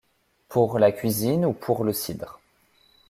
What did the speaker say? Pour la cuisine ou pour le cidre.